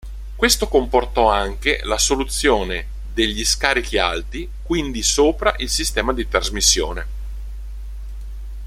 Questo comportò anche la soluzione degli scarichi alti, quindi sopra il sistema di trasmissione.